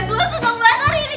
gua seneng banget hari ini